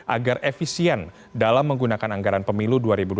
agar efisien dalam menggunakan anggaran pemilu dua ribu dua puluh